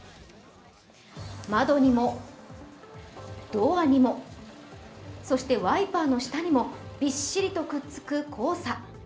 窓にも、ドアにもそしてワイパーの下にもびっしりとくっつく黄砂。